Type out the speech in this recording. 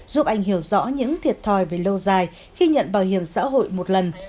giúp anh hiểu rõ những thiệt thòi về lâu dài khi nhận bảo hiểm xã hội một lần